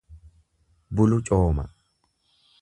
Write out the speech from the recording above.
Bulu cooma.